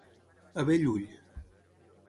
A bell ull.